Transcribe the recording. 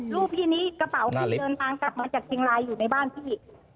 ลูกพี่นี้กระเป๋าขึ้นเดินทางกลับมาจากเชียงรายอยู่ในบ้านพี่